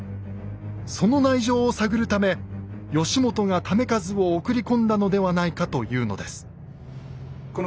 その内情を探るため義元が為和を送り込んだのではないかというのです。